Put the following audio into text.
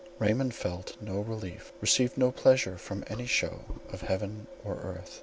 Raymond felt no relief, received no pleasure from any show of heaven or earth.